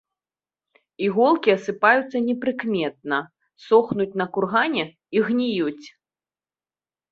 Іголкі асыпаюцца непрыкметна, сохнуць на кургане і гніюць.